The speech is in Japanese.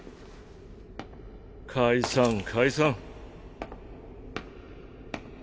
解散解散。